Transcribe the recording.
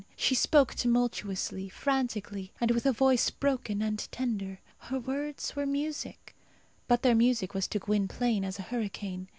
She spoke tumultuously, frantically, with a voice broken and tender. Her words were music, but their music was to Gwynplaine as a hurricane.